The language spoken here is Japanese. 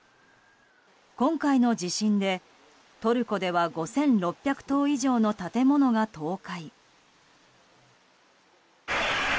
今回の地震でトルコでは５６００棟以上の建物が倒壊。